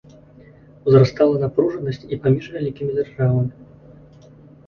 Узрастала напружанасць і паміж вялікімі дзяржавамі.